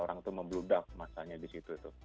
orang itu membludak masanya di situ